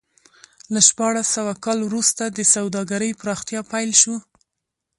له شپاړس سوه کال وروسته د سوداګرۍ پراختیا پیل شو.